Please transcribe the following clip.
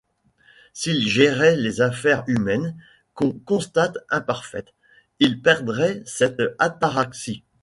S'ils géraient les affaires humaines, qu'on constate imparfaites, ils perdraient cette ataraxie.